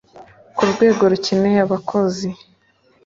ku rwego rukeneye abakozi